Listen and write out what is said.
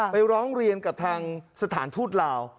ร้องเรียนกับทางสถานทูตลาว